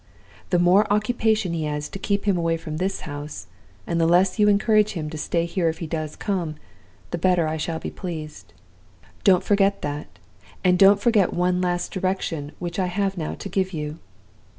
The more occupation he has to keep him away from this house, and the less you encourage him to stay here if he does come, the better I shall be pleased. Don't forget that, and don't forget one last direction which I have now to give you.